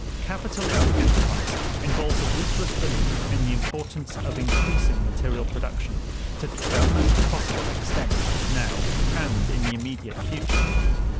Capitalistic enterprise involves a ruthless belief in the importance of increasing material production to the utmost possible extent now and in the immediate future.